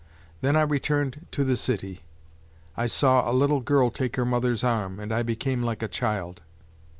Then I returned to the city, I saw a little girl take her mother's arm and I became like a child.